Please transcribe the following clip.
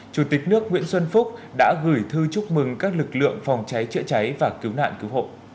chủ tịch nước nguyễn xuân phúc đã gửi thư chúc mừng các lực lượng phòng cháy chữa cháy và cứu nạn cứu hộ